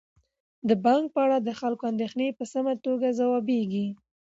د بانک په اړه د خلکو اندیښنې په سمه توګه ځوابیږي.